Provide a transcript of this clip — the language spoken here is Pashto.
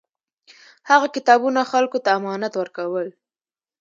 هغه کتابونه خلکو ته امانت ورکول.